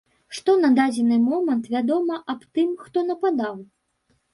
Што на дадзены момант вядома аб тым, хто нападаў?